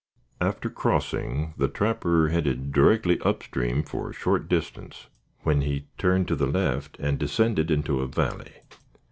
After crossing, the trapper headed directly up stream for a short distance, when he turned to the left and descended into a valley.